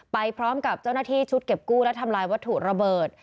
ไปพร้อมกับเจ้าหน้าที่ชุดเก็บกู้และทำลายวัตถุระเบิด